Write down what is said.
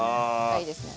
あいいですね。